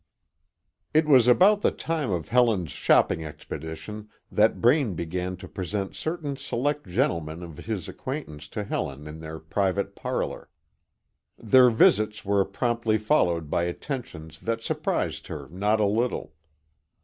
It was about the time of Helen's shopping expedition that Braine began to present certain select gentlemen of his acquaintance to Helen in their private parlor. Their visits were promptly followed by attentions that surprised her not a little.